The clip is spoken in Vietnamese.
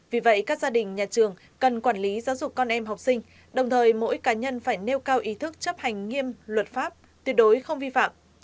vì vậy các gia đình nhà trường cần quản lý giáo dục con em học sinh đồng thời mỗi cá nhân phải nêu cao ý thức chấp hành nghiêm luật pháp tuyệt đối không vi phạm